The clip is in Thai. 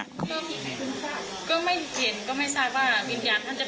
ก็ไม่เห็นก็ไม่ทราบว่าวิญญาณท่านจะไปไหน